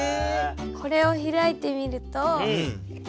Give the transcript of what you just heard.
これを開いてみると。